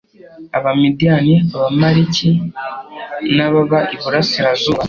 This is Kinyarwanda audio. Abamidiyani Abamaleki n’ababa Iburasirazuba